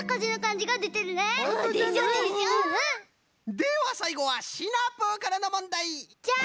ではさいごはシナプーからのもんだい！じゃん！